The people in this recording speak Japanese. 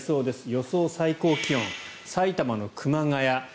予想最高気温、埼玉の熊谷